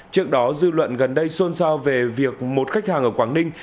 trước đó dư luận gần đây xôn xao về việc một khách hàng ở quảng ninh